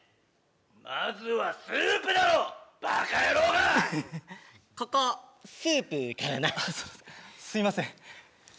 まずはスープだろバカ野郎がここスープからなそうですかすみません